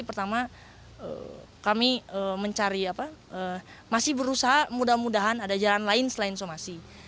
pertama kami mencari apa masih berusaha mudah mudahan ada jalan lain selain somasi